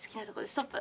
ストップ。